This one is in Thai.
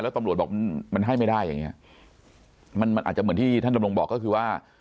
ตำรวจบอกมันมันให้ไม่ได้อย่างเงี้ยมันมันอาจจะเหมือนที่ท่านดำรงบอกก็คือว่า